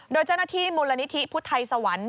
โดยเจ้าหน้าที่มูลนิธิพุทธไทยสวรรค์